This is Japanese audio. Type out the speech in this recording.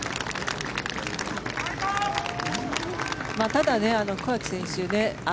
ただ、桑木選手